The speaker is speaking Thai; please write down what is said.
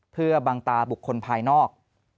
เพื่อบังตาบุคคลภายนอก